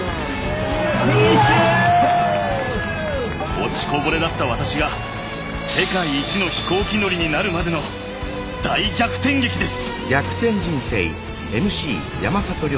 落ちこぼれだった私が世界一の飛行機乗りになるまでの大逆転劇です。